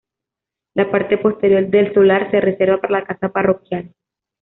La parte posterior del solar se reserva para la casa parroquial.